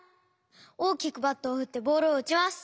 おおきくバットをふってボールをうちます。